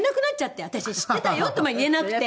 「私知ってたよ」とも言えなくて。